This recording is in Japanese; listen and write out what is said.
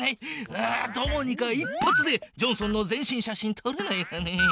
ああどうにか一発でジョンソンの全身写真とれないかな。